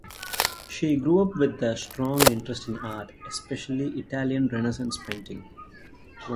She grew up with a strong interest in art, especially Italian Renaissance painting.